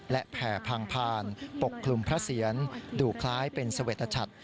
และแผ่พางพานปกคลุมพระเสียรดูคล้ายเป็นเสวตชัด